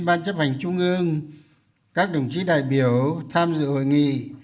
ban chấp hành trung ương các đồng chí đại biểu tham dự hội nghị